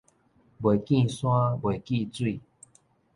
未見山，未見水